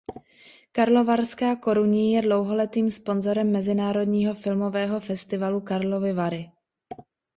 Karlovarská Korunní je dlouholetým sponzorem Mezinárodního filmového festivalu Karlovy Vary.